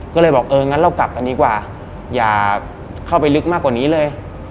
ก็เลยบอกเอองั้นเรากลับกันดีกว่าอย่าเข้าไปลึกมากกว่านี้เลย